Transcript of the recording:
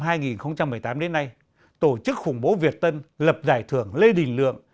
từ năm hai nghìn một mươi tám đến nay tổ chức khủng bố việt tân lập giải thưởng lê đình lượng